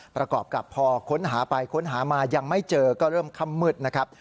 ประกอบกับพอค้นหาไปค้นหามายังไม่เจอก็เริ่มค่ำมืดนะครับ